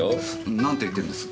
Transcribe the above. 何て言ってるんです？